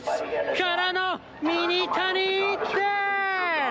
からのミニタニでーす。